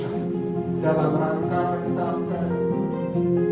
sebutkan dalam rangka pencapaian